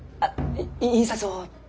印刷を。